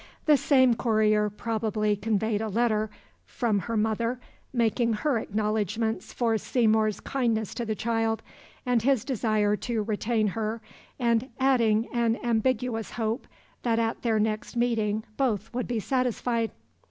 The same courier probably conveyed a letter from her mother, making her acknowledgments for Seymour's kindness to the child, and his desire to retain her, and adding an ambiguous hope that at their next meeting both would be satisfied.